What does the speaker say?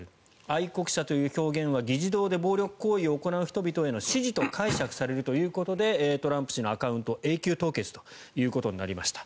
愛国者という表現は議事堂で暴力行為を行う人々への支持と解釈されるということでトランプ氏のアカウントが永久凍結ということになりました。